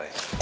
yaudah pa ya